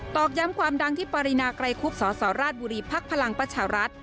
ตอกย้ำความดังที่ปรินาใกล้คลุกสสราชบุรีพักภลังประชารัฐ